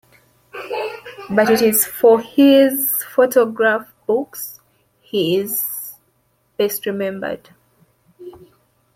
But it is for his photograph books he is best remembered.